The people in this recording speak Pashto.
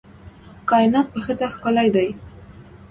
کائنات په ښځه ښکلي دي